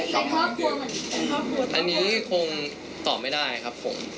สภาพอันนี้คงตอบไม่ได้ครับผม